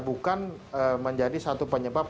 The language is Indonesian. bukan menjadi satu penyebab